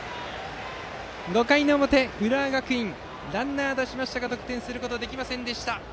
５回の表、浦和学院ランナーを出しましたが得点することができませんでした。